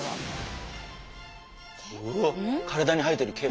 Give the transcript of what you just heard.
体に生えてる毛。